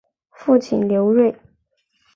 父亲刘锐。